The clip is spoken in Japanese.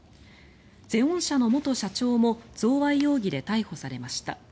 ゼオン社の元社長も贈賄容疑で逮捕されました。